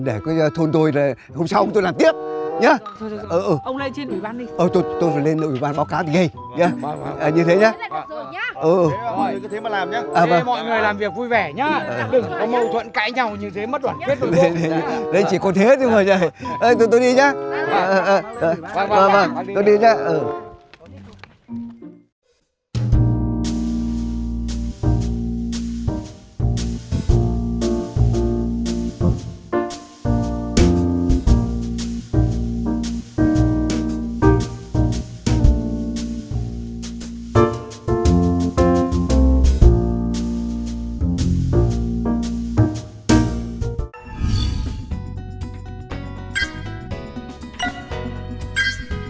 hãy đăng ký kênh để ủng hộ kênh của mình nhé